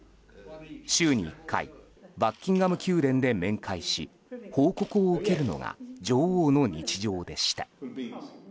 週に１回バッキンガム宮殿で面会し報告を受けるのが女王の日常でした。